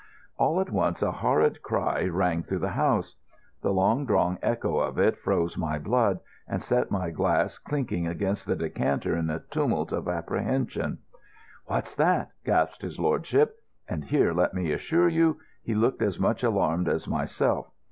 All at once a horrid cry rang through the house. The long drawn echo of it froze my blood and set my glass clinking against the decanter in a tumult of apprehension. "What's that?" gasped his lordship. And here let me assure you, he looked as much alarmed as myself.